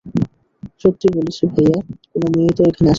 সত্যি বলছি ভাইয়া, কোনো মেয়ে তো এখানে আসেনি।